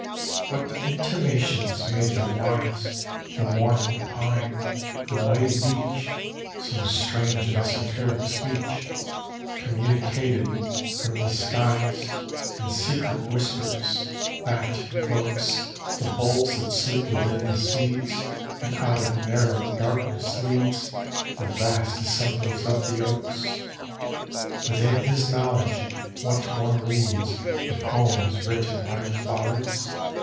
XIX What intimations made them wise, The mournful pine, the mighty beech? Some strange and esoteric speech (Communicated from the skies In secret whispers) that invokes The boles that sleep within the seeds, And out of narrow darkness leads The vast assemblies of the oaks. Within his knowledge, what one reads The poems written by the flowers?